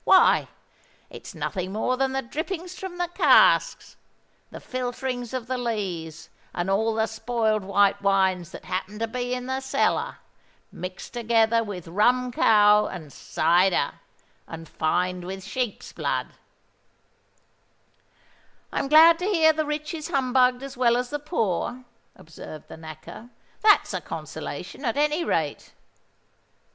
Why—it's nothing more than the drippings from the casks, the filterings of the lees, and all the spoiled white wines that happen to be in the cellar, mixed together with rum cowe and cyder, and fined with sheep's blood." "I'm glad to hear the rich is humbugged as well as the poor," observed the Knacker: "that's a consolation, at any rate."